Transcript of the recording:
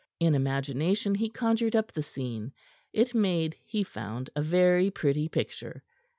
In imagination he conjured up the scene. It made, he found, a very pretty picture.